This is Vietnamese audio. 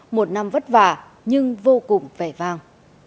một năm vất vả nhưng vô cùng vẻ vang